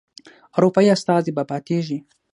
اروپایي استازی به پاتیږي.